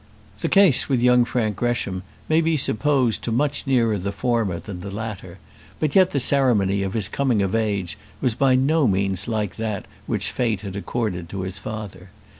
The case with young Frank Gresham may be supposed to much nearer the former than the latter; but yet the ceremony of his coming of age was by no means like that which fate had accorded to his father.